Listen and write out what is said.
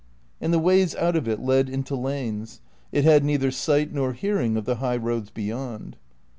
And the ways out of it led into lanes; it had neither sight nor hearing of the high roads beyond.